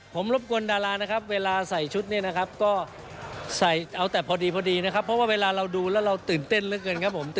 ผมรบกวนดารานะครับเวลาใส่ชุดเนี่ยนะครับก็ใส่เอาแต่พอดีพอดีนะครับเพราะว่าเวลาเราดูแล้วเราตื่นเต้นเหลือเกินครับผม